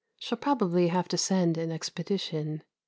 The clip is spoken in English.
Shall probably have to send an expedition.